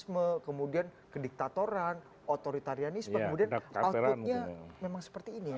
kemudian keterangan kemudian kediktatoran otoritarianisme kemudian alkutnya memang seperti ini ya